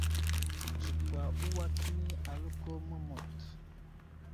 Nzikwa uway kəni aləko məmut.